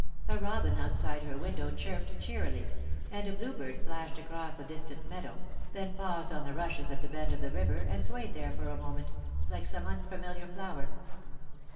A robin outside her window chirped cheerily, and a bluebird flashed across the distant meadow, then paused on the rushes at the bend of the river and swayed there for a moment, like some unfamiliar flower.